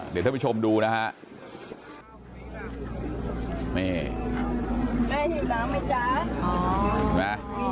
เดี๋ยวเธอไปชมดูนะฮะ